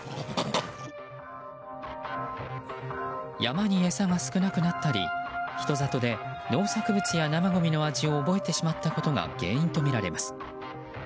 山に餌が少なくなったり人里で農作物や生ごみの味を覚えてしまったことが原因とみられます。